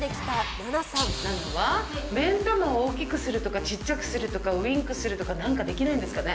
ナナは目ん玉を大きくするとか、ちっちゃくするとか、ウインクするとか、なんかできないんですかね？